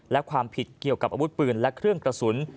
และความผิดเกี่ยวกับอาวุธปืนและเครื่องกระสุน